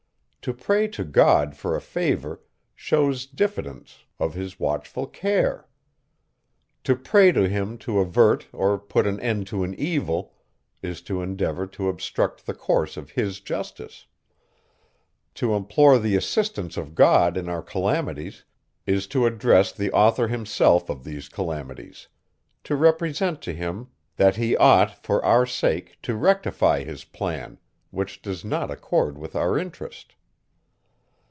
To pray to God for a favour, shews diffidence of his watchful care; to pray to him to avert or put an end to an evil, is to endeavour to obstruct the course of his justice; to implore the assistance of God in our calamities, is to address the author himself of these calamities, to represent to him, that he ought, for our sake, to rectify his plan, which does not accord with our interest.